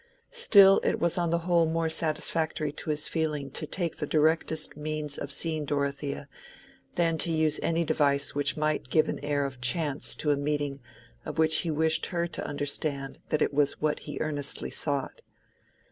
Still it was on the whole more satisfactory to his feeling to take the directest means of seeing Dorothea, than to use any device which might give an air of chance to a meeting of which he wished her to understand that it was what he earnestly sought.